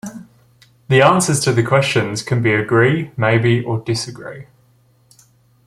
The answers to the questions can be Agree, Maybe or Disagree.